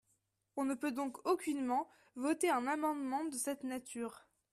On ne peut donc aucunement voter un amendement de cette nature.